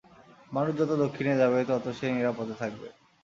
মানুষ যত দক্ষিণে যাবে, ততো সে নিরাপদে থাকবে।